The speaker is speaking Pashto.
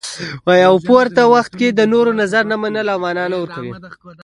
او په ورته وخت کې د نورو نظر نه منل مانا ورکوي.